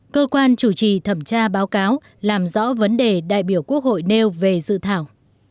cơ quan chủ trì thẩm tra báo cáo làm rõ vấn đề đại biểu quốc hội nêu về dự thảo